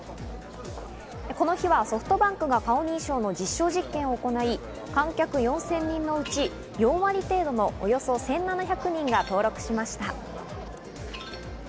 この日はソフトバンクが顔認証の実証実験を行い、観客４０００人のうち、４割程度のおよそ１７００人が登録しました。